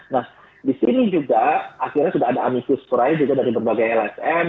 nah disini juga akhirnya sudah ada amicus kurai juga dari berbagai lsm